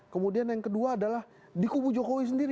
kemudian yang kedua adalah dikubu jokowi sendiri